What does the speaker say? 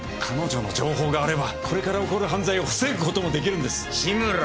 彼女の情報があればこれから起こる犯罪を防ぐこともできるんです・